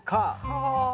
はあ。